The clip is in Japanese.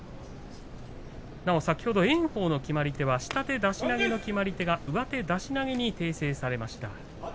炎鵬の決まり手は下手出し投げの決まり手が上手出し投げに訂正されました。